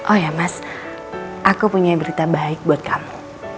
oh ya mas aku punya berita baik buat kamu